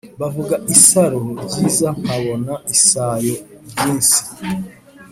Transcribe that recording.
bavuga isaro ryiza nkabona isayo ryinsi